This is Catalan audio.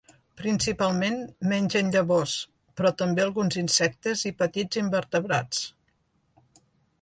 Principalment mengen llavors, però també alguns insectes i petits invertebrats.